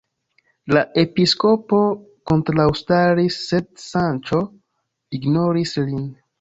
La episkopo kontraŭstaris, sed Sanĉo ignoris lin.